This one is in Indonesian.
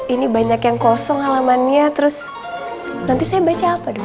ini banyak yang kosong halamannya terus nanti saya baca apa dong